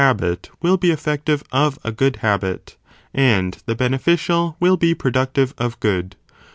+ habit will be effective of a good habit, and the beneficial will be productive of good.